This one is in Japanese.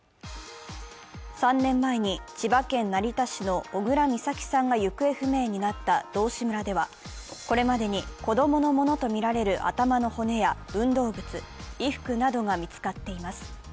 ３年前に千葉県成田市の小倉美咲さんが行方不明になった道志村では、これまでに子供のものとみられる頭の骨や運動靴、衣服などが見つかっています。